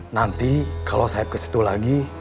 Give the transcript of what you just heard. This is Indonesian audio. nanti kalau saeb kesitu lagi